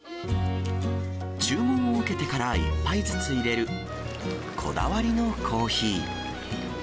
注文を受けてから１杯ずついれるこだわりのコーヒー。